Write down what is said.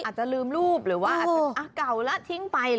อาจจะลืมรูปหรือว่าอาจจะเก่าแล้วทิ้งไป